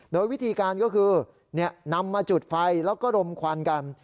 โดยวิธีการก็คือนำมาจุดไฟแล้วก็รมควันกัน